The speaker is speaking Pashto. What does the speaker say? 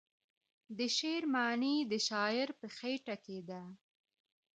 د شعر معنی د شاعر په خیټه کې ده .